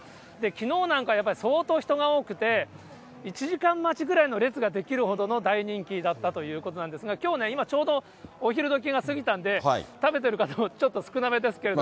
きのうなんかやっぱり、相当人が多くて、１時間待ちぐらいの列ができるほどの大人気だったというんですが、きょうね、今ちょうど、お昼どきが過ぎたんで、食べている方もち逆にいいですよ、今。